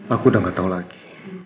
aku udah gak tahu lagi